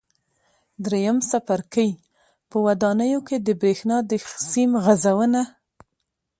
درېیم څپرکی: په ودانیو کې د برېښنا د سیم غځونه